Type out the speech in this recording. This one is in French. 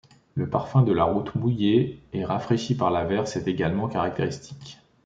Le parfum de la route mouillée et rafraîchie par l’averse est également caractéristique.